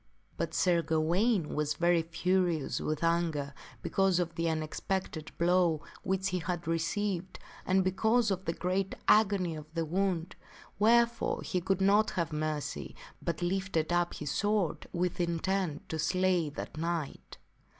But Sir Gawaine was very furious with anger because of makethtosiay that unexpected blow which he had received and because of t ^ ie & reat a g nv of the wound, wherefore he would not have mercy, but lifted up his sword with intent to slay that knight.